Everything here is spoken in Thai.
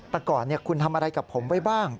แต่ก่อนคุณทำอะไรกับผมไว้บ้าง